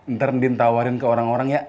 ntar ndin tawarin ke orang orang ya